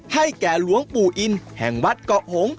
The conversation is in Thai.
ให้แก่หลวงปู่อินแห่งวัดเกาะหง